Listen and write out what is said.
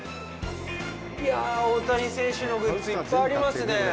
いや、大谷選手のグッズ、いっぱいありますね。